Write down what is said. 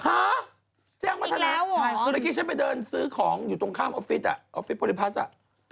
ฮะแจ้งวัฒนาเมื่อกี้ฉันไปเดินซื้อของอยู่ตรงข้ามออฟฟิศอ่ะออฟฟิศพริพัสอ่ะ